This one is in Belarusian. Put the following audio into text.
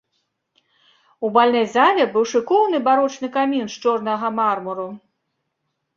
У бальнай зале быў шыкоўны барочны камін з чорнага мармуру.